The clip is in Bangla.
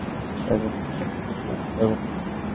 তাই, মিথ্যা কে আর, সত্য বানাতে পারবো না।